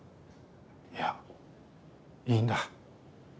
いやいいんだ。